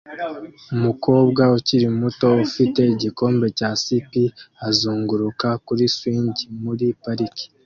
Umukobwa ukiri muto ufite igikombe cya sippy azunguruka kuri swing muri parike